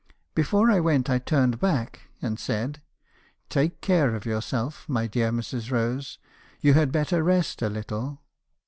Before I went I turned back , and said —" 'Take care of yourself, my dear Mrs. Rose ; you had better rest a little.'